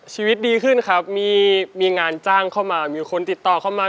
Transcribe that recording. ชีวิตดีขึ้นครับมีงานจ้างเข้ามามีคนติดต่อเข้ามา